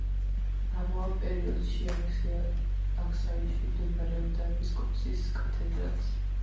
ამავე პერიოდში აქსაიში მდებარეობდა ეპისკოპოსის კათედრაც.